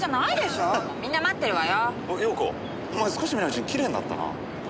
お前少し見ないうちにきれいになったな。